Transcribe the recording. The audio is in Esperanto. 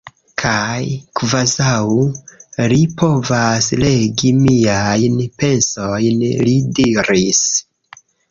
Kaj, kvazaŭ li povas legi miajn pensojn, li diris: